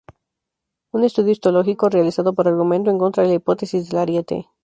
Un estudio histológico realizado por argumentó en contra de la hipótesis del ariete.